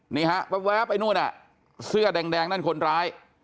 นี่ฮะแว๊บไอ้นู่นเสื้อแดงนั่นคนร้าย